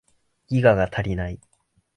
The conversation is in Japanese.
ギガが足りない